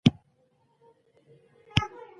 وخت ناوخت اعتراض کېده؛